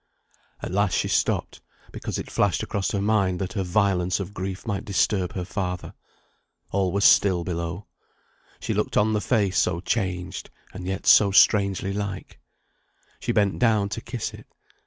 At last she stopped, because it flashed across her mind that her violence of grief might disturb her father. All was still below. She looked on the face so changed, and yet so strangely like. She bent down to kiss it.